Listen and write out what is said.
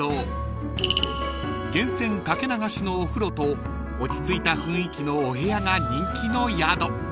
［源泉かけ流しのお風呂と落ち着いた雰囲気のお部屋が人気の宿］